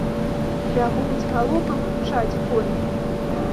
Бягуць, галопам імчаць коні.